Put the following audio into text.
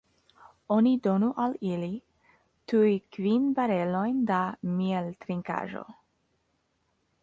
Oni donu al ili tuj kvin barelojn da mieltrinkaĵo!